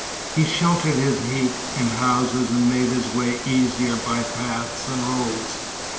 He sheltered his heat in houses and made his way easier by paths and roads.